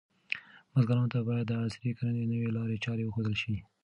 بزګرانو ته باید د عصري کرنې نوې لارې چارې وښودل شي.